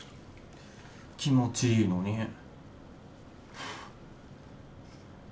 気持ちいいのに。